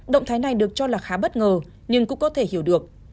động thái này được cho là khá bất ngờ nhưng cũng có thể hiểu được